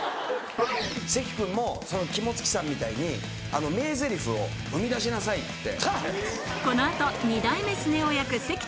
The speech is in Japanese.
関君も肝付さんみたいに名ゼリフを生み出しなさいって。